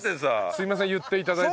すいません言って頂いて。